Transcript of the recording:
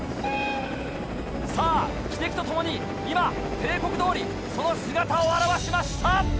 さぁ汽笛とともに今定刻どおりその姿を現しました！